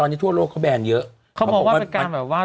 ตอนนี้ทั่วโลกเขาแบนเยอะ